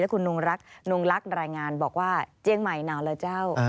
และคุณนุ่งลักห์รายงานบอกว่าเจียงใหม่หนาวเหล่าเจ้า